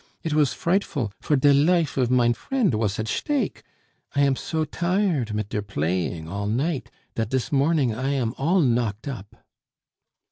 It was frightful, for der life of mein friend vas at shtake. I am so tired mit der blaying all night, dat dis morning I am all knocked up."